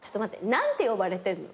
何て呼ばれてんの？